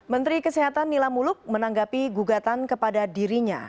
menteri kesehatan nila muluk menanggapi gugatan kepada dirinya